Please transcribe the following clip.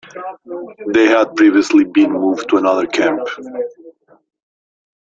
They had previously been moved to another camp.